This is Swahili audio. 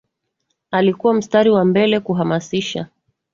alikuwa mstari wa mbele kuhamasisha